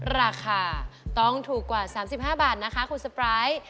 ราคาต้องถูกกว่า๓๕บาทนะคะคุณสปาย